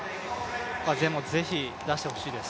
でも是非、出してほしいです。